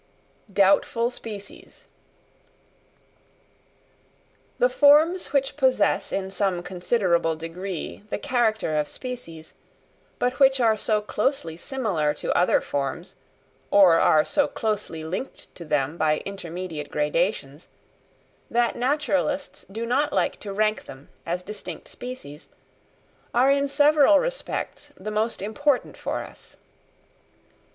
Doubtful Species. The forms which possess in some considerable degree the character of species, but which are so closely similar to other forms, or are so closely linked to them by intermediate gradations, that naturalists do not like to rank them as distinct species, are in several respects the most important for us.